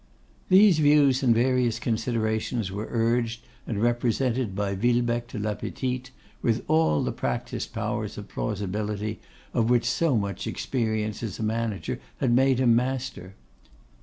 These views and various considerations were urged and represented by Villebecque to La Petite, with all the practised powers of plausibility of which so much experience as a manager had made him master.